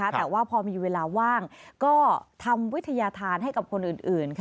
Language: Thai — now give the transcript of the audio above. แต่ว่าพอมีเวลาว่างก็ทำวิทยาธารให้กับคนอื่น